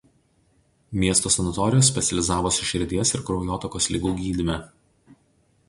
Miesto sanatorijos specializavosi širdies ir kraujotakos ligų gydyme.